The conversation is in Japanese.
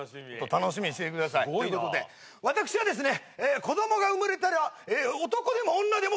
楽しみにしててください。ということで私はですね。